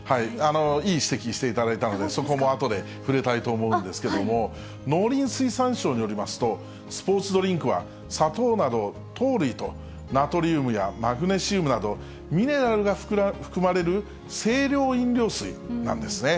いい指摘していただいたので、そこもあとで触れたいと思うんですけれども、農林水産省によりますと、スポーツドリンクは、砂糖など糖類と、ナトリウムやマグネシウムなど、ミネラルが含まれる、清涼飲料水なんですね。